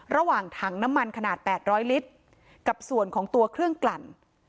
ระหว่างถังน้ำมันขนาด๘๐๐ลิตรกับส่วนของตัวเครื่องกลั่น